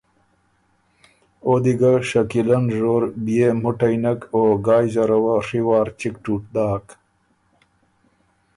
او دی ګۀ شکیلۀ نژور بيې مُټی نک او ګای زره وه ڒی واره چِګ ټُوټ داک